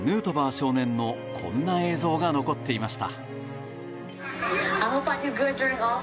少年のこんな映像が残っていました。